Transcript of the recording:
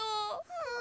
うん。